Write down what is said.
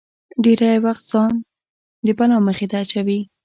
ډېری وخت ځان د بلا مخې ته اچوي.